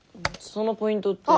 そのポイントって。